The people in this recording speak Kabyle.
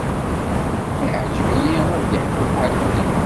Iεǧeb-iyi ad yeḥmu lḥal mliḥ.